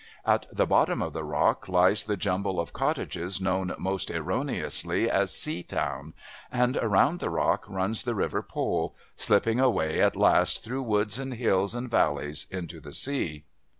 At the bottom of the rock lies the jumble of cottages known most erroneously as Seatown, and round the rock runs the river Pol, slipping away at last through woods and hills and valleys into the sea.